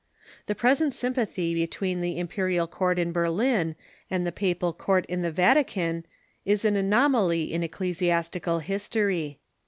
The present sympathy between the imperial court in Berlin and the papal court in the Vatican is an anomaly in ecclesiastical history.